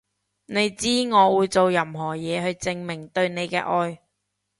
你知我會做任何嘢去證明對你嘅愛